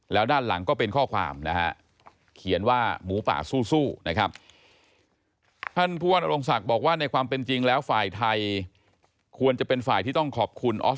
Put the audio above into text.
แล้วด้านหลังก็เป็นข้อความนะครับ